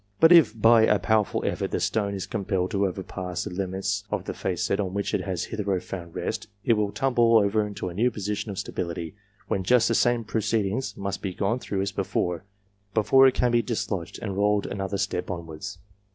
But, if by a powerful effort the stone is compelled to overpass the limits of the facet on which it has hitherto found rest, it will tumble over into a new position of stability, whence just the same proceedings must be gone through as before, GENERAL CONSIDERATIONS 355 before it can be dislodged and rolled another step onwards.